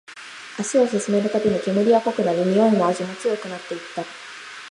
足を進めるたびに、煙は濃くなり、においも味も強くなっていった